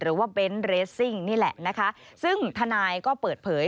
เบนท์เรสซิ่งนี่แหละนะคะซึ่งทนายก็เปิดเผย